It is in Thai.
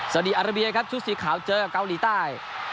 ดีอาราเบียครับชุดสีขาวเจอกับเกาหลีใต้